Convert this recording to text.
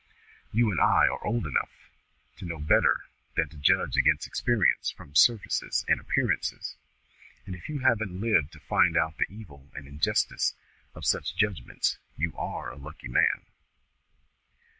You and I are old enough to know better than to judge against experience from surfaces and appearances; and if you haven't lived to find out the evil and injustice of such judgments, you are a lucky man."